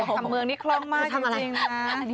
กำเมืองนี่คล่องมากจริงนะ